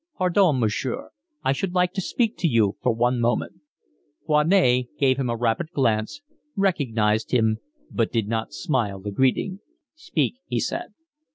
"Pardon, monsieur, I should like to speak to you for one moment." Foinet gave him a rapid glance, recognised him, but did not smile a greeting. "Speak," he said.